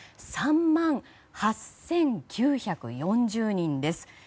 ３万８９４０人です。